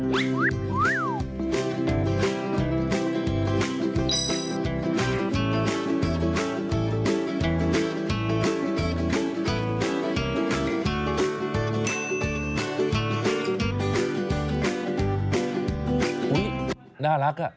อุ้ยน่ารักอะ